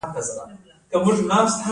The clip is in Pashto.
کوم حیواني سره د زعفرانو لپاره غوره ده؟